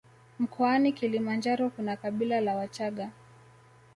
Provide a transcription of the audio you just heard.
Mkoani Kilimanjaro kuna kabila la wachaga